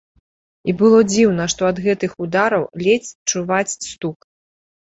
І было дзіўна, што ад гэтых удараў ледзь чуваць стук.